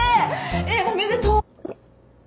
えっおめでとう。